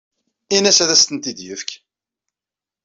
Ini-as ad asent-t-id-yefk.